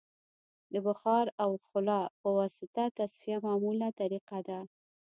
د بخار او خلا په واسطه تصفیه معموله طریقه ده